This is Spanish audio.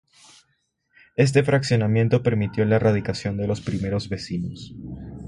Este fraccionamiento permitió la radicación de los primeros vecinos.